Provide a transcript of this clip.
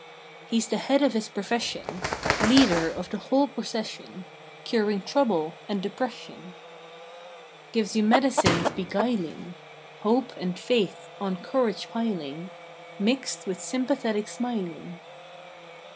He s the head of his profession, Leader of the whole procession, Curing trouble and depression. Gives you medicines beguiling Hope and Faith on Courage piling, Mixed with Sympathetic Smiling.